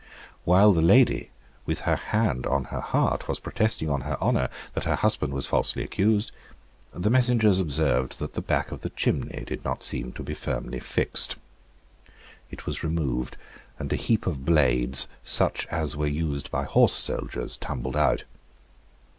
While the lady, with her hand on her heart, was protesting on her honour that her husband was falsely accused, the messengers observed that the back of the chimney did not seem to be firmly fixed. It was removed, and a heap of blades such as were used by horse soldiers tumbled out.